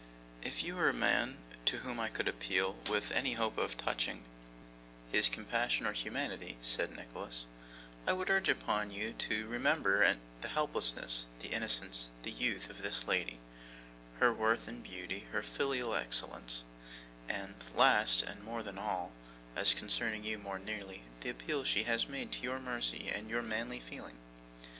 'If you were a man to whom I could appeal with any hope of touching his compassion or humanity,' said Nicholas, 'I would urge upon you to remember the helplessness, the innocence, the youth, of this lady; her worth and beauty, her filial excellence, and last, and more than all, as concerning you more nearly, the appeal she has made to your mercy and your manly feeling.